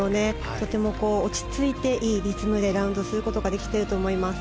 とても落ち着いていいリズムでラウンドすることができていると思います。